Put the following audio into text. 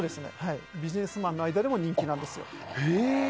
ビジネスマンの間でも人気なんですよ。へ。